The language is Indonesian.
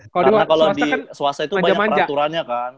karena kalau di swasta itu banyak peraturannya kan